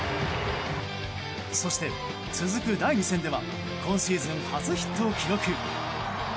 そして、続く第２戦では今シーズン初ヒットを記録。